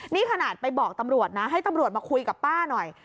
นี่ขนาดไปบอกตำรวจนะให้ตำรวจมาคุยกับป้าหน่อย